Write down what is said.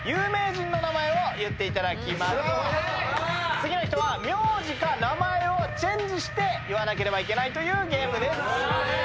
次の人は名字か名前をチェンジして言わなければいけないというゲームです。